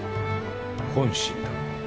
本心だ。